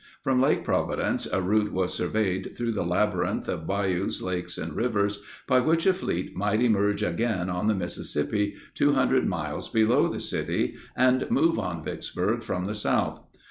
From Lake Providence a route was surveyed through the labyrinth of bayous, lakes, and rivers by which a fleet might emerge again on the Mississippi 200 miles below the city and move on Vicksburg from the south.